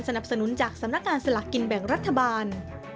สนุนจากสำนักงานสลากกินแบ่งรัฐบาล